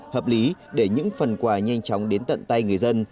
hợp lý để những phần quà nhanh chóng đến tận tay người dân